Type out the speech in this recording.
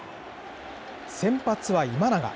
先発は今永。